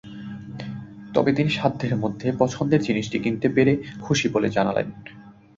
তবে তিনি সাধ্যের মধ্যে পছন্দের জিনিস কিনতে পেরে খুশি বলে জানালেন।